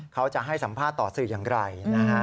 เขาจะให้สัมภาษณ์ต่อสื่ออย่างไรนะฮะ